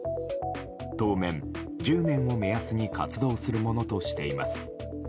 当面、１０年を目安に活動するものとしています。